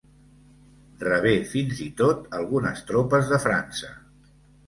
Rebé fins i tot algunes tropes de França.